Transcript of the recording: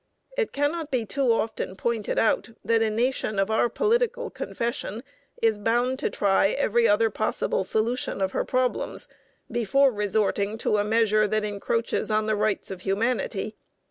It cannot be too often pointed out that a nation of our political confession is bound to try every other possible solution of her problems before resorting to a measure that encroaches on the rights of humanity.